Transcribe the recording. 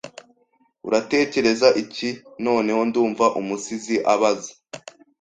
Uratekereza iki noneho ndumva umusizi abaza